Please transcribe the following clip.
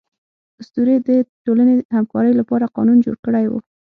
اسطورې د ټولنې همکارۍ لپاره قانون جوړ کړی و.